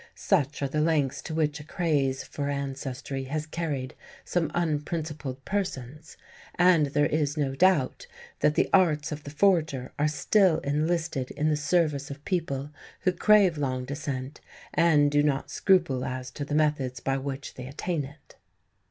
Such are the lengths to which a craze for ancestry has carried some unprincipled persons; and there is no doubt that the arts of the forger are still enlisted in the service of people who crave long descent and do not scruple as to the methods by which they attain it.